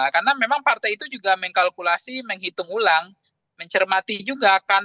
karena memang partai itu juga mengkalkulasi menghitung ulang mencermati juga kan